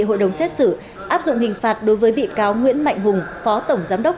hội đồng xét xử áp dụng hình phạt đối với bị cáo nguyễn mạnh hùng phó tổng giám đốc